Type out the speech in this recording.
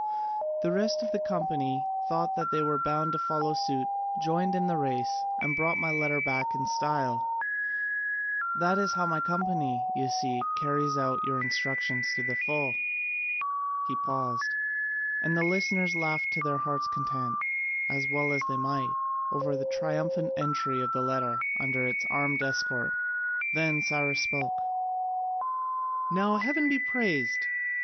The rest of the company thought they were bound to follow suit, joined in the race, and brought my letter back in style. That is how my company, you see, carries out your instructions to the full." He paused, and the listeners laughed to their hearts' content, as well as they might, over the triumphant entry of the letter under its armed escort. Then Cyrus spoke: "Now heaven be praised!